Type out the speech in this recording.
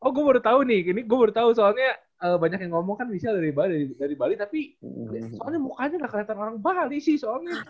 oh gue baru tahu nih gue baru tahu soalnya banyak yang ngomong kan misalnya dari bali dari bali tapi soalnya mukanya gak kelihatan orang bali sih soalnya